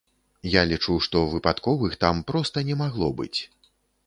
Я лічу, што выпадковых там проста не магло быць.